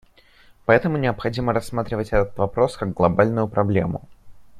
Поэтому необходимо рассматривать этот вопрос как глобальную проблему.